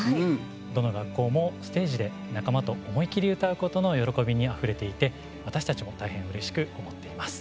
どの学校もステージで仲間と思い切り歌うことの喜びにあふれていて私たちも大変うれしく思っています。